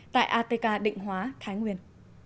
tại atk định hóa thái nguyên